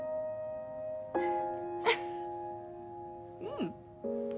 うん。